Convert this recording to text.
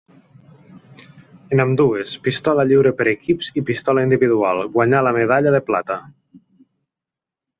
En ambdues, Pistola lliure per equips i pistola individual, guanyà la medalla de plata.